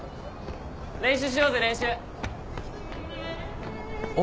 練習しようぜ練習！